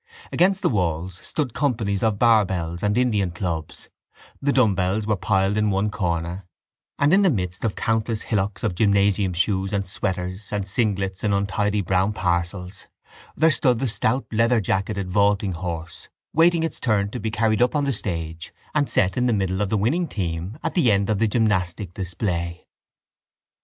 Against the walls stood companies of barbells and Indian clubs; the dumbbells were piled in one corner: and in the midst of countless hillocks of gymnasium shoes and sweaters and singlets in untidy brown parcels there stood the stout leatherjacketed vaulting horse waiting its turn to be carried up on the stage and set in the middle of the winning team at the end of the gymnastic display.